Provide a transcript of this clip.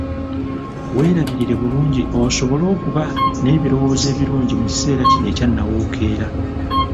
Weerabirire bulungi osobole okuba n’ebirowoozo ebirungi mu kiseera kino ekya nnawookeera.